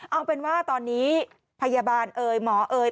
เอาเป็นว่าตอนนี้พยาบาลเอ่ยหมอเอ่ย